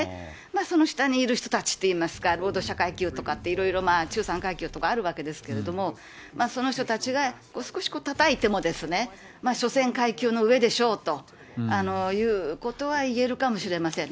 その下にいる人たちっていいますか、労働者階級とかって、いろいろ中産階級とかあるわけですけれども、その人たちが少したたいてもしょせん階級の上でしょうということは言えるかもしれませんね。